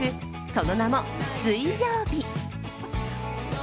その名も「水曜日」。